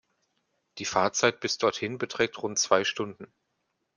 Die Fahrtzeit bis dorthin beträgt rund zwei Stunden.